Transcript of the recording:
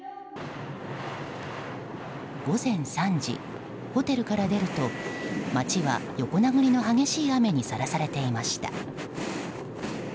午前３時、ホテルから出ると街は横殴りの激しい雨にさらされていました。